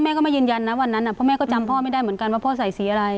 ก็ไม่ยืนยันนะวันนั้นพ่อแม่ก็จำพ่อไม่ได้เหมือนกันว่าพ่อใส่สีอะไร